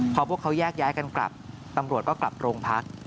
พอพวกเขาแยกย้ายกันกลับตำรวจก็กลับโรงพัก